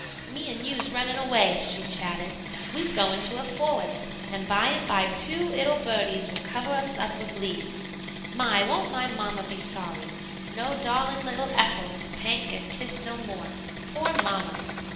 "Me and you's yunnin' away," she chatted; "we's goin' to a fowest, and by and by two 'ittle birdies will cover us up wid leaves. My! Won't my mamma be sorry? No darlin' 'ittle Ethel to pank and tiss no more. Poor Mamma!"